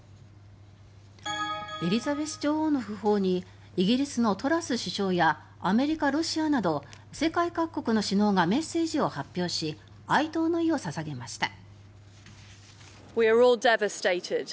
エリザベス女王の訃報にイギリスのトラス首相やアメリカ、ロシアなど世界各国の首脳がメッセージを発表し哀悼の意を捧げました。